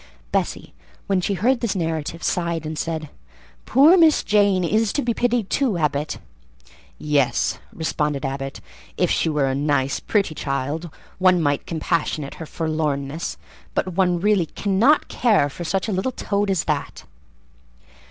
Bessie, when she heard this narrative, sighed and said, "Poor Miss Jane is to be pitied, too, Abbot." "Yes," responded Abbot; "if she were a nice, pretty child, one might compassionate her forlornness; but one really cannot care for such a little toad as that."